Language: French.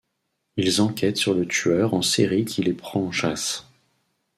Ils enquêtent sur le tueur en série qui les prend en chasse.